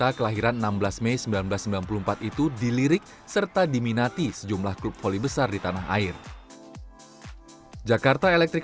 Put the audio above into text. ada komunikasinya berkegantung tergantung